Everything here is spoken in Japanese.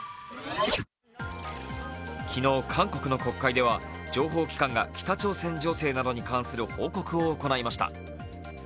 昨日、韓国の国会では情報機関が北朝鮮情勢などに関する報告を行いました。